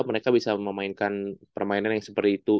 mereka bisa memainkan permainan yang seperti itu